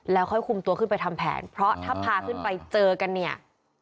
แล้วค่อยคุมตัวขึ้นไปทำแผนเพราะถ้าพาขึ้นไปเจอกันเนี่ย